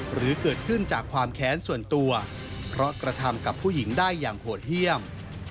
หรือเกิดขึ้นจากความแค้นส่วนตัวเพราะกระทำกับผู้หญิงได้อย่างโหดเยี่ยม